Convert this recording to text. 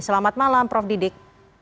selamat malam prof didik